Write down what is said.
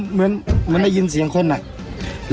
เหมือนไม่ได้ยินเสียงเครื่องล่ะ